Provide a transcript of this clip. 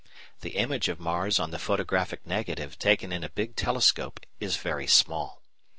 The image of Mars on the photographic negative taken in a big telescope is very small.